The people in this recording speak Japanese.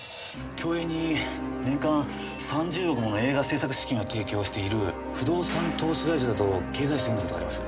共映に年間３０億もの映画製作資金を提供している不動産投資会社だと経済誌で読んだ事があります。